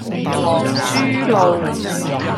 皇珠路